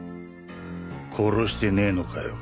殺してねぇのかよ。